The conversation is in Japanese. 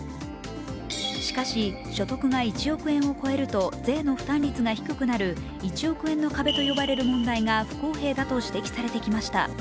しかし、所得が１億円を超えると税の負担率が低くなる１億円の壁と呼ばれる問題が不公平だと指摘されてきました。